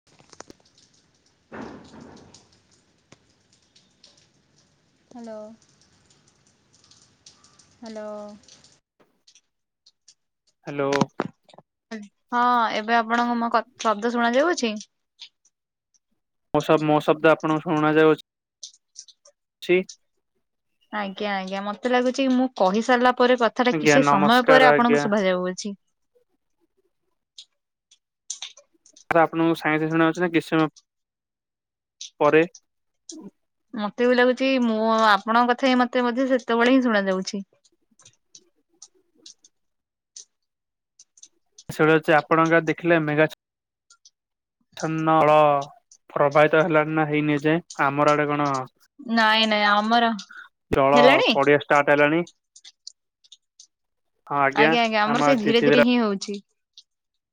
[inaudible] Hello. Hello. Hello. ହଁ ଏବେ ଆପଣଙ୍କୁ ମୋ ଶବ୍ଦ ଶୁଣା ଯାଉ ଅଛି? [unintelligible] ମୋ ଶବ୍ଦ ଆପଣଙ୍କୁ ଶୁଣାଯାଉଅ ଛି। ଆଜ୍ଞା ଆଜ୍ଞା ମତେ ଲାଗୁଚି ମୁଁ କହି ସାରିଲା ପରେ କଥା ଟା ଆଜ୍ଞା କିଛି ସମୟ ନମସ୍କାର ପରେ ଆଜ୍ଞା ଆପଣଙ୍କୁ ଶୁଭାଯାଉଅଛି। ସାର୍ ଆପଣଙ୍କୁ ସାଙ୍ଗ ସ ଶୁଣା ହଉଛି କିଛି ସମୟ ପରେ? ମତେ ବି ଲାଗୁଚି ମୁଁ ଆପଣଙ୍କ କଥା ହି ମତେ ସେତେବେଳେ ହିଁ ଶୁଣ ଯାଉଛି। ସେଇଡା ଚି ଆପଣଙ୍କ ଦେଖିଲେ ମେଗା ଚଛନ୍ନଳ ପ୍ରବାହିତ ହେଲାଣି ନା ହେଇନି ଏଁ ଯା ଏ ଆମର ଆଡେ କଣ ନାଇଁ ନାଇଁ ଆମର ଜଳ ହେଲାଣି ପଡିବା ଷ୍ଟାର୍ଟ ହେଲାଣି। ହଁ ଆଜ୍ଞା ଆମର ଆମ ସେଇ ଆଡେ ଧୀରେ ଧୀରେ [unintelligible] ହିଁ ହୋଉଚି।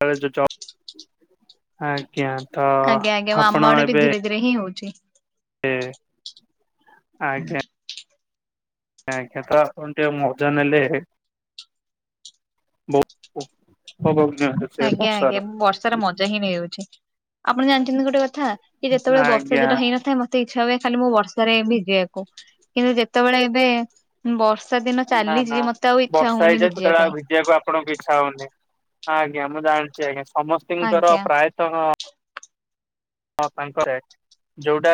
[unintelligible] ଆଜ୍ଞା ତ ଆପଣ ଏବେ ରେ ହିଁ ହୋଉଚି। ଏ ଆଜ୍ଞା। [unintelligible] କେତଳେ ଆପଣ ଟିକେ ମଜା ନେଲେ [unintelligible] ଧନ୍ୟବାଦ। ଆଜ୍ଞା ଆଜ୍ଞା ବର୍ଷାରେ ମଜା ହିଁ ନେଇଯାଉଚି ଆପଣ ଜାଣିଚନ୍ତି ଗୋଟେ କଥା? ସେ ଯେତେବେ ବର୍ଷା ଆଜ୍ଞା ଦିନ ହେଇନଥାଏ ମ ମତେ ଇଚ୍ଛା ହୁଏ ଖାଲି ମୁଁ ବର୍ଷାରେ ଭିଜିବାକୁ କିନ୍ତୁ ଯେତେବେଳେ ଏବେ ବର୍ଷା ଦିନ ନା ନା ଚାଲିଛି ମତେ ଆଉ ଇଚ୍ଛା ବର୍ଷା ହଉନି ହେଇଯାଏ ଭିଜିବା ସେତେବେଳେ ପାଇଁ। ଆଉ ଭିଜିବାକୁ ଆପଣଙ୍କୁ ଇଚ୍ଛା ହବନି। ଆଜ୍ଞା ମୁଁ ଜାଣିଛି ଆଜ୍ଞା ସମସ୍ତଙ୍କର ଆଜ୍ଞା ପ୍ରାୟତଃ ହଁ ତାଙ୍କର ଯୋଉଟା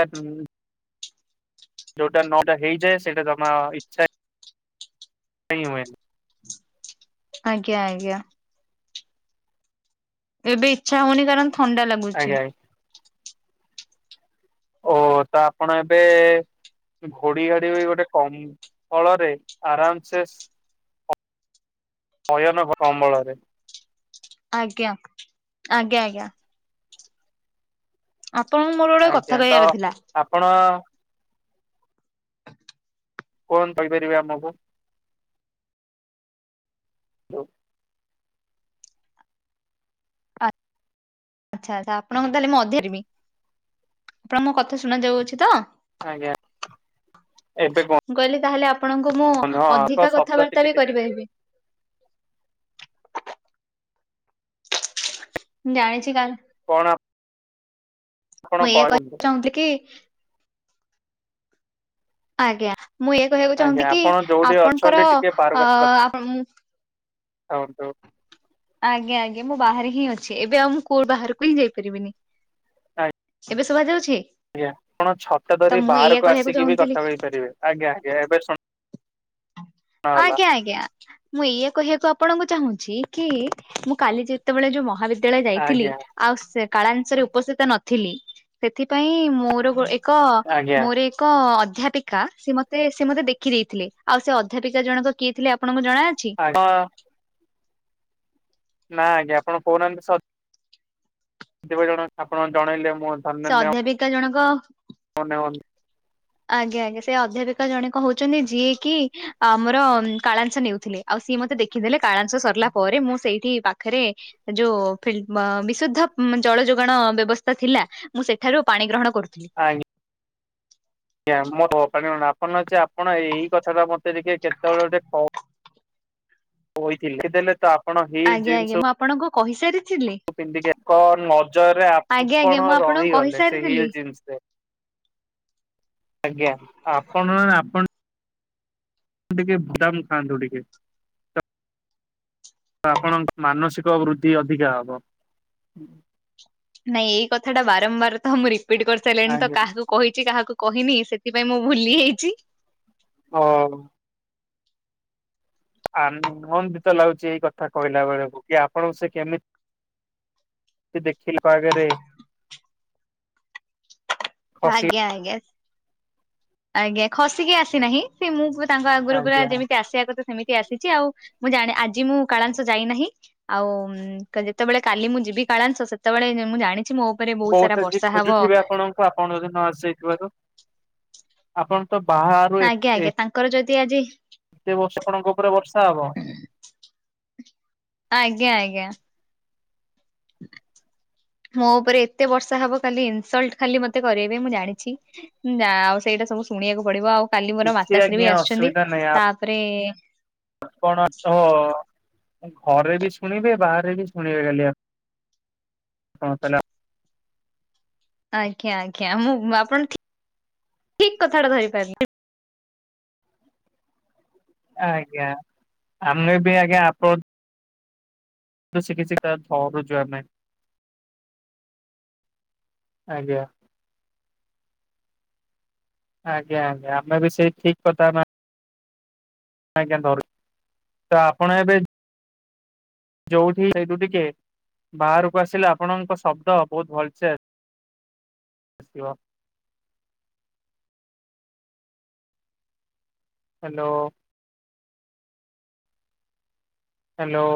ଯୋଉଟା ନଅଟା ହେଇଯା ସେଟ ତମ ଇଚ୍ଛା ହୁଏନି। ଆଜ୍ଞା ଆଜ୍ଞା। ଏବେ ଇଚ୍ଛା ହଉନି କାରଣ ଥଣ୍ଡା ଲାଗୁ ଆଜ୍ଞା। ଓହୋ ତ ଆପଣ ଏବେ ଘୋଡି ଘାଡି ବି ଗୋଟେ କମ ଫଳରେ ଆରାମ ସେ [unintelligible] ସୟନ କମ୍ବଳରେ ଆଜ୍ଞା ଆଜ୍ଞା ଆଜ୍ଞା। ଆପଣଙ୍କୁ ମୋର ଗୋଟେ ଆଜ୍ଞା କଥା ତ କହିବାର ଥିଲା? ଆପଣ [unintelligible] କଣ କହିପାରିବେ ଆମକୁ ହ। ଆଚ୍ଛା ଆଛା ଆପଣଙ୍କ ତାହେଲେ ମୁଁ ଅଧ୍ୟାରିବି ଆପଣଙ୍କ କଥା ଶୁଣା ଯାଉଅଛି ତ? ଆଜ୍ଞା ଏବେ କହିଲି ତାହେଲେ ଆପଣଙ୍କୁ ମୁଁ କୁହନ୍ତୁ ହଁ ଅଧିକା ଶବ୍ଦ କଥାବାର୍ତ୍ତା ଟିକେ ବି ଟିକେ କରିପାରିବି? ଜାଣିଛି କ କଣ? ଆପଣ ମୁଁ ଏୟା କୁହନ୍ତୁ। କହିବାକୁ ଚାହୁଁଥିଲି କି? ଆଜ୍ଞା ମୁଁ ଏୟା କହିବାକୁ ଆଜ୍ଞା ଚାହୁଁନ୍ତି କି ଆପଣ ଯୋଉଠି ଆପଣଙ୍କର ଅଛନ୍ତି ଟିକେ ଅ ହଉନ୍ତୁ। ଆଜ୍ଞା ଆଜ୍ଞା ମୁଁ ବାହାରେ ହିଁ ଅଛି ଏବେ ଆଉ ମୁଁ କୋଉ ବାହାରକୁ ହିଁ ଯାଇପାରିବିନି। ଏବେ ଶୁଭା ଯାଉଛି? ଆଜ୍ଞା ଆପଣ ଛତା ତ ଧରି ମୁଁ ଏଇଆ ବାହାରକୁ କହିବାକୁ ଆସିକି ବି ଚାହୁଁଥିଲି କଥା କହିପାରିବେ ଆଜ୍ଞା ଆଜ୍ଞା ଏବେ ଶୁଣ ଆଜ୍ଞା ଆଜ୍ଞା। ମୁଁ ଏୟା କହିବାକୁ ଆପଣଙ୍କୁ ଚାହୁଁଛି କି ମୁଁ କାଲି ଯେତେବେଳେ ଯୋଉ ମହାବିଦ୍ୟାଳୟ ଯାଇଥିଲି ଆଜ୍ଞା ଆଉ ସେ କାଳାଂସରେ ଉପସ୍ଥିତ ନଥିଲି ସେଥିପାଇଁ ମୋର ଏକ ଆଜ୍ଞା ମୋର ଏକ ଅଧ୍ୟାପିକା ସେ ମତେ ସେ ମତେ ଦେଖି ଦେଇେଇଥିଲେ ଆଉ ସେ ଅଧ୍ୟାପିକା ଜଣକ କିଏ ଥିଲେ ଆପଣଙ୍କୁ ଜଣାଅଛି? [inaudible] ନା ଆଜ୍ଞା ଆପଣ କହୁନାହାନ୍ତି ସତ? କେବେ ଜଣ ଆପଣ ଜଣେଇଲେ ମୁଁ ସେ ଅଧ୍ୟାପିକା ଜଣକ ଅନେ ଅନ୍। ଆଜ୍ଞା ଆଜ୍ଞା ସେ ଅଧ୍ୟାପିକା ଜଣକ ହହୁଛନ୍ତି ଯିଏ କିି ଆମର କାଳାଂସ ନେଉଥିଲେ। ଆଉ ସିଏ ମତେ ଦେଖିଦେଲେ କାଳାଂସ ସରିଲା ପରେ ମୁଁ ସେଇଠି ପାଖରେ ଯୋଉ ବିଶୁଦ୍ଧ ଜଳ ଯୋଗାଣ ବ୍ୟବସ୍ଥା ଥିଲା ମୁଁ ସେଠାରୁ ପାଣି ଗ୍ରହଣ କରୁଥିଲି। ଆଗି ଆ [unintelligible] ମନେ ଅଛି ଆପଣ ଏଇ କଥାଟା ମତେ ଟିକେ କେତେବେଳେ ଗୋଟେ କହିଥିଲେ ଦେଲ ତ ଆପ୍ ଆଜ୍ଞା ଆଜ୍ଞା ମୁଁ ଆପଣଙ୍କୁ କହିସାରିଥିଲି। ପିନ୍ଧିକି ଏକ ନଜରରେ ଆଜ୍ଞା ଆଜ୍ଞା ଆପଣ ମୁଁ ଆପଣଙ୍କୁ ରହିଗଲେ ସେ କହିସାରିଥିଲି। ହିଲ୍ ଜିନ୍ସିରେ। ଆଜ୍ଞା ଆପଣ ଆପଣ। ଟିକେ ବଦାମ ଖାଆନ୍ତୁ ଟିକେ। ତ ଆପଣଙ୍କ ମାନସିକ ବୃଦ୍ଧି ଅଧିକା ହବ। ନାଇଁ ଏଇ କଥା ଟା ବାରମ୍ବାର ତ ମୁଁ ରିପିଟ୍ କରିସାରିଲିଣି ତ ଆଜ୍ଞା କାହାକୁ। କହିଛି କାହାକୁ କହିନି ସେଥିପାଇଁ ମୁଁ ଭୁଲି ଯାଇଛି। ଓ ଆନନ୍ଦିତ ଲାଗୁଛି ଏଇ କଥା କହିଲା ବେଳକୁ କି ଆପଣଙ୍କୁ ସେ କେମି ତି ଦେଖିଲା ପାଗେରେ। ଖସି ଆଜ୍ଞା ଆଜ୍ଞା। ଆଜ୍ଞା ଖସିକି ଆସିନାହିଁ ସେ ମୁଁ ତାଙ୍କ ଆଗରୁ ପୁରା ଆଜ୍ଞା ଯେମିତି ଆସିବାକୁ କଥା ସେମି ଆସିଛି ଆଉ ମୁଁ ଜାଣି ଆଜି ମୁଁ କାଳାଂଶ ଯାଇନାହିଁ। ଆଉ ଉଁ କା ଯେତେବେଳେ କାଲି ମୁଁ ଯିବି କାଳାଂଶ ସେତେବେଳେ ମୁଁ ଜାଣିଛି ମୋ। ଉପରେ ସାରା ବହୁତ ବର୍ଷା [unintelligible] ହବ ଖୋଜୁଥିବେ ଆପଣଙ୍କୁ ଆପଣ ଯଦି ନ ଆସି ଥିବାତ। ଆପଣ ତ ବାହାରୁ ଏ ଆଜ୍ଞା ଆଜ୍ଞା ତାଙ୍କର ଯଦି ଆଜି ଏତେ ବର୍ଷ ଆପଣଙ୍କ ଉପରେ ବର୍ଷା ହବ। ହଁ। ଆଜ୍ଞା ଆଜ୍ଞା। ମୋ ଉପରେ ଏତେ ବର୍ଷା ହବ କାଲି ଇନସଲ୍ଟ ଖାଲି ମତେ କରେଇବେ ମୁଁ ଜାଣିଛି। ନା ଆଉ ସେଇଟା ସବୁ ଶୁଣିବାକୁ ପଡିବ ଆଉ କାଲି ମୋର କିଛି ମାତାଶ୍ରୀ ଆଜ୍ଞା ବି ଆସୁଛନ୍ତି ଅସୁବିଧା ନାହିଁ ତାପରେ। ଆପଣ ତ ଘରେ ବି ଶୁଣିବେ ବାହାରେ ବି ଶୁଣିବେ କାଲି ଆ କଣ କଲା। ଆଜ୍ଞା ଆଜ୍ଞା ମୁଁ ଆପଣ ଠି ଠିକ କଥାଟା ଧରି ପାରି ଆଜ୍ଞା ଆମ ବି ଆଜ୍ଞା ଆପ୍ ତ ଶଖିଛି ତା ଧରୁଛୁ ଆମେ। ଆଜ୍ଞା। ଆଜ୍ଞା ଆଜ୍ଞା ଆମେ ବି ସେଇ ଠିକ୍ କଥା ମା ଆଜ୍ଞା ଧରୁ ତ ଆପଣ ଏବେ ଯୋଉଠି ହେଇଠୁ ଟିକେ। ବାହାରୁକୁ ଆସିଲେ ଆପଣଙ୍କ ଶବ୍ଦ ବହୁତ ଭଲସେ ଆସି ଆସିବ। ହାଲୋ। ହାଲେ।